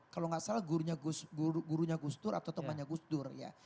kalau nggak salah gurunya gus dur atau temannya gus dur ya